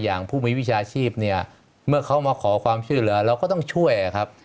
อย่างผู้มีวิชาชีพเนี่ยเมื่อเขามาขอความช่วยเหลือเราก็ต้องช่วยครับ